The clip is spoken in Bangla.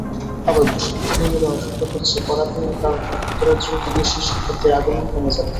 আবার বিশ্ববিদ্যালয়গুলো আশঙ্কা করছে কড়াকড়ির কারণে যুক্তরাজ্যে বিদেশি শিক্ষার্থীর আগমন কমে যাবে।